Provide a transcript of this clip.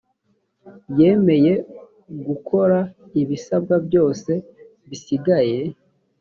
yemeye gukora ibisabwa byose bisigaye